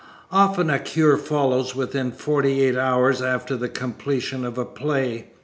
Often a cure follows within forty eight hours after the completion of a play.